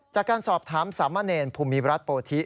จากการสอบถามสามเณรภูมิรัฐโปธิ